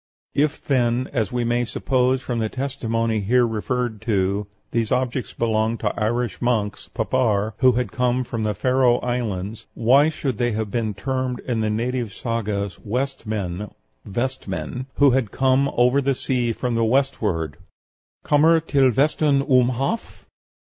If, then, as we may suppose from the testimony here referred to, these objects belonged to Irish monks (papar), who had come from the Faroe Islands, why should they have been termed in the native sagas 'West men' (Vestmen), 'who had come over the sea from the westward' (kommer til vestan um haf)?"